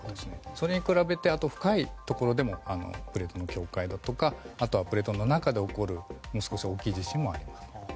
それに比べて深いところでもプレートの境界だとかプレートの中で起こる大きい地震もあります。